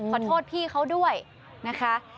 ขอโทษพี่เขาด้วยนะคะ